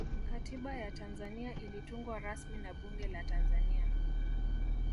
katiba ya tanzania ilitungwa rasmi na bunge la tanzania